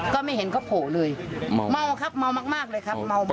ก็ไม่เห็นเขาโผล่เลยเมาครับเมามากเลยครับเมามาก